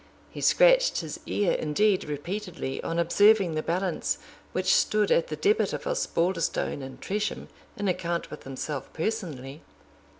He scratched his ear indeed repeatedly on observing the balance which stood at the debit of Osbaldistone and Tresham in account with himself personally.